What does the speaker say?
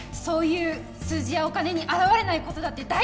そういう数字やお金に表れないことだって